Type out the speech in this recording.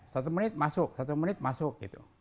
satu menit masuk satu menit masuk gitu